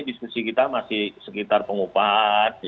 diskusi kita masih sekitar pengupahan